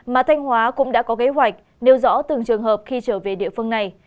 mà thanh hóa cũng đã có kế hoạch nêu rõ từng trường hợp khi trở về địa phương này